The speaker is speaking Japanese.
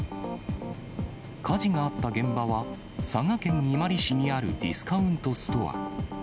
火事があった現場は、佐賀県伊万里市にあるディスカウントストア。